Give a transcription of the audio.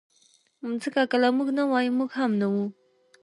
مځکه که له موږ نه وای، موږ هم نه وو.